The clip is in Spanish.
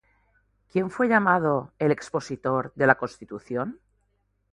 ¿Quién fue llamado el “Expositor de la Constitución”?